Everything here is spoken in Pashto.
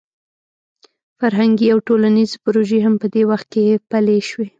فرهنګي او ټولنیزې پروژې هم په دې وخت کې پلې شوې.